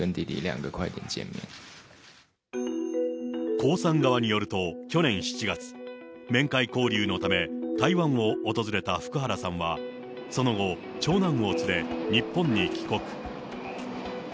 江さん側によると、去年７月、面会交流のため、台湾を訪れた福原さんは、その後、長男を連れ、日本に帰国。